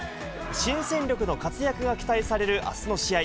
新戦力の活躍が期待されるあすの試合。